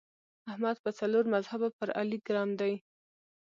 احمد په څلور مذهبه پر علي ګرم دی.